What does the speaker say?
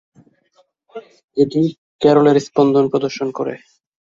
এটি কেরলের স্পন্দন প্রদর্শন করে।